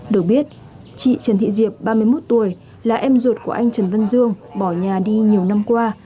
được biết chị trần thị diệp ba mươi một tuổi là em ruột của anh trần văn dương bỏ nhà đi nhiều năm qua